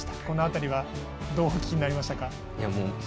この辺りはどうお聞きになりましたか？